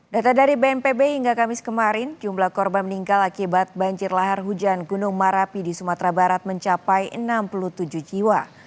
data dari bnpb hingga kamis kemarin jumlah korban meninggal akibat banjir lahar hujan gunung merapi di sumatera barat mencapai enam puluh tujuh jiwa